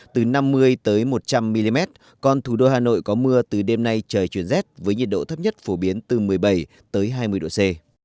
từ năm mươi một trăm linh mm còn thủ đô hà nội có mưa từ đêm nay trời chuyển rét với nhiệt độ thấp nhất phổ biến từ một mươi bảy hai mươi độ c